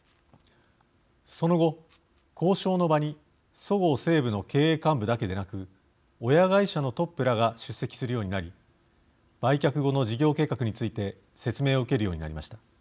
その後、交渉の場にそごう・西武の経営幹部だけでなく親会社のトップらが出席するようになり売却後の事業計画について説明を受けるようになりました。